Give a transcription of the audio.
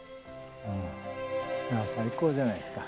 最高じゃないですか。